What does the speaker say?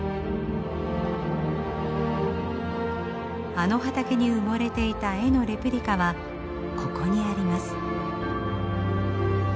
あの畑に埋もれていた絵のレプリカはここにあります。